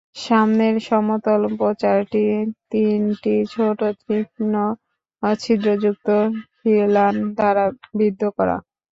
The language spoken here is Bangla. সামনের সমতল প্রাচীরটি তিনটি ছোট তীক্ষ্ণ ছিদ্রযুক্ত খিলান দ্বারা বিদ্ধ করা।